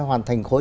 hoàn thành khối